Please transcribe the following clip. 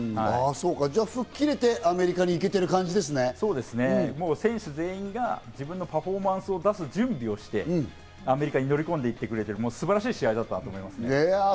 じゃあ吹っ切れてアメリカにそうですね、選手全員が自分のパフォーマンスを出す準備をしてアメリカに乗り込んでいってくれている、素晴らしい試合だったと思います。